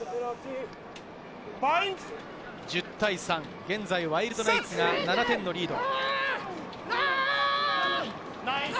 １０対３、現在ワイルドナイツが７点のリード。